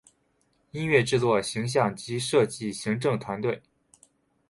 音乐制作形像及设计行政团队